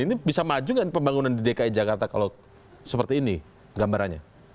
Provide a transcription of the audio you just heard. ini bisa maju nggak pembangunan di dki jakarta kalau seperti ini gambarannya